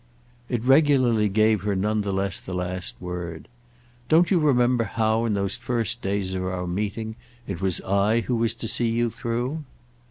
It regularly gave her none the less the last word. "Don't you remember how in those first days of our meeting it was I who was to see you through?"